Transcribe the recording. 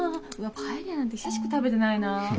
パエリアなんて久しく食べてないな。